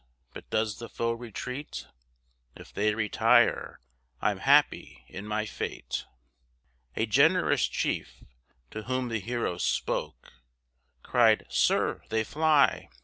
but does the foe retreat? If they retire, I'm happy in my fate!" A generous chief, to whom the hero spoke, Cried, "Sir, they fly!